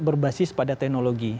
berbasis pada teknologi